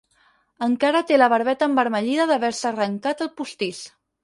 Encara té la barbeta envermellida d'haver-se arrencat el postís.